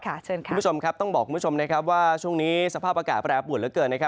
คุณผู้ชมครับต้องบอกคุณผู้ชมนะครับว่าช่วงนี้สภาพอากาศแปรปวดเหลือเกิน